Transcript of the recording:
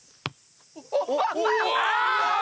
うわ！